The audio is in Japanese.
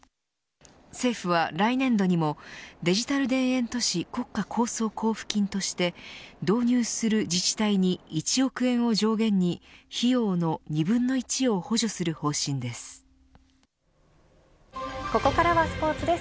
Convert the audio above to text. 政府は、来年度にもデジタル田園都市国家構想交付金として導入する自治体に１億円を上限に費用の２分の１をここからはスポーツです。